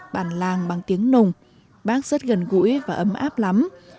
bản làng bằng tiếng nùng bác rất gần gũi và ấm áp lắm